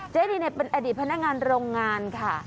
เจดีเป็นอดีตพนักงานโรงงานค่ะ